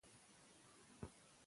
هغه د خپل هیواد د عزت لپاره سر ورکړ.